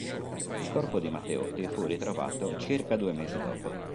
Il corpo di Matteotti fu ritrovato circa due mesi dopo.